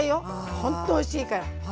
ほんとおいしいから。